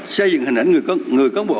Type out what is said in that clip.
xây dựng hình ảnh người cán bộ công an xã